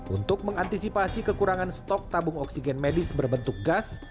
untuk mengantisipasi kekurangan stok tabung oksigen medis berbentuk gas